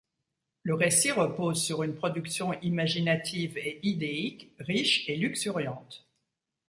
Le récit repose sur une production imaginative et idéique riche et luxuriante.